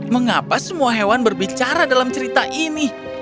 mengapa semua hewan berbicara dalam cerita ini